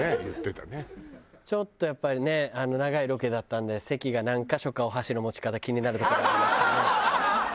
ちょっとやっぱりね長いロケだったんで関が何カ所かお箸の持ち方気になるところありましたね。